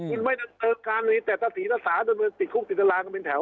คุณไม่ได้เติบการในนี้แต่ถ้าศีรษาติดคุกติดลางเป็นแถว